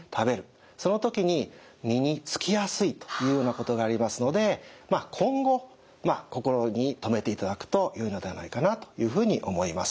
その時に身につきやすいというようなことがありますので今後心に留めていただくとよいのではないかなというふうに思います。